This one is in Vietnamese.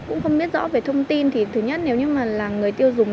cũng không biết rõ về thông tin thì thứ nhất nếu như mà là người tiêu dùng